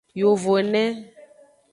Yovone.